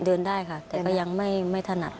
เดินได้ค่ะแต่ก็ยังไม่ถนัด